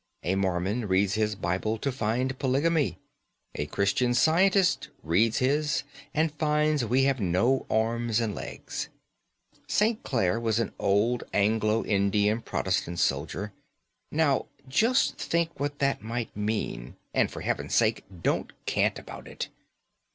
A Mormon reads his Bible, and finds polygamy; a Christian Scientist reads his, and finds we have no arms and legs. St. Clare was an old Anglo Indian Protestant soldier. Now, just think what that might mean; and, for Heaven's sake, don't cant about it.